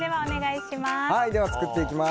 では作っていきます。